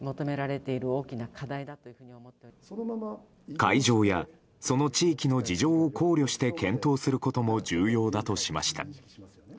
会場やその地域の事情を考慮して検討していくことも重要だとしました。